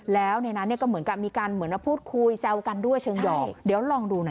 แล้วในนั้นก็เหมือนกับมีการพูดคุยแซวกันด้วยเชิงหยอกเดี๋ยวลองดูหน่อยค่ะ